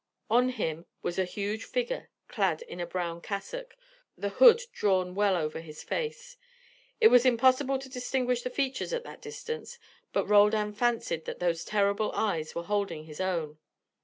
On him was a huge figure clad in a brown cassock, the hood drawn well over the face. It was impossible to distinguish features at that distance, but Roldan fancied that those terrible eyes were holding his own.